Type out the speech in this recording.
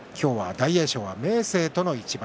大栄翔は今日、明生との一番。